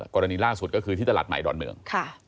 กรณีล่าสุดก็คือที่ตลาดใหม่ดอนเมือง